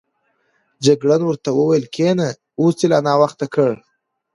جګړن ورته وویل کېنه، اوس دې لا ناوخته کړ.